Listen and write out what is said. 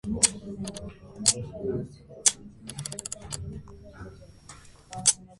Հոսնուտն ուներ երկաթի հանք, որն արդյունահանվում էր պարզ եղանակով։